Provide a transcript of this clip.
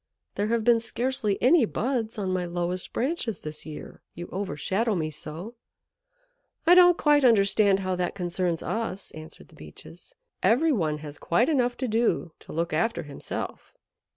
There have been scarcely any buds on my lowest branches this year, you overshadow me so." "I don't quite understand how that concerns us," answered the Beeches. "Every one has quite enough to do to look after himself.